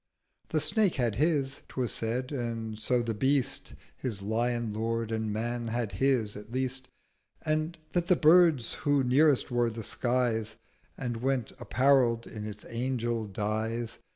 The Snake had his, 'twas said; and so the Beast His Lion lord: and Man had his, at least: And that the Birds, who nearest were the Skies, And went apparell'd in its Angel Dyes.